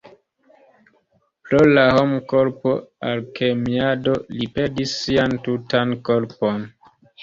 Pro la homkorpo-alkemiado, li perdis sian tutan korpon.